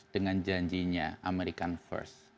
dengan janjinya american first